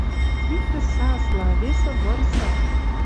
Иктӹ сасла, весӹ вырса —